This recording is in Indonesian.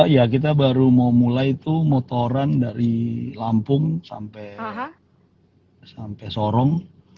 ya kita baru mau mulai itu motoran dari lampung sampai sorong